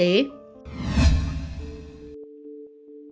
hướng dẫn mới nhất